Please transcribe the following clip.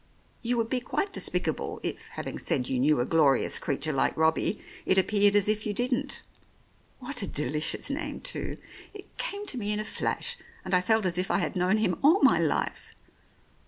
You would be quite despicable if, having said you knew a glorious creature like Robbie, it appeared as if you didn't. What a delicious name, too! It came to me in a flash, and I felt as if I had known him all my life.